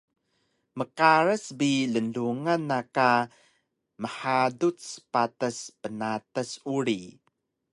Mqaras bi lnglungan na ka mhaduc patas bnatas uri